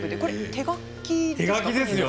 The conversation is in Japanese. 手書きですよ。